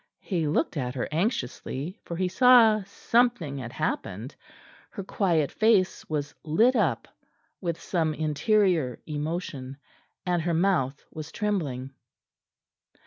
He looked at her anxiously, for he saw something had happened. Her quiet face was lit up with some interior emotion, and her mouth was trembling.